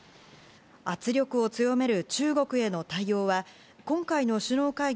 圧力を強める中国への対応は今回の首脳会議